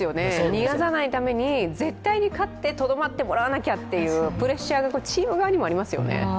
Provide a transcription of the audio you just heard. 逃がさないために、絶対に勝ってとどまってもらわなきゃっていうプレッシャーがチーム側にもありますよね。